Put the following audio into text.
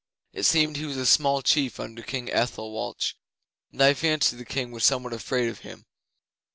It seemed he was a small chief under King Ethelwalch, and I fancy the King was somewhat afraid of him.